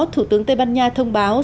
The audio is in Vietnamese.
thủ tướng tây ban nha thông báo